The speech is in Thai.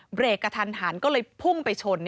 เบรกกระทันหันก็เลยพุ่งไปชน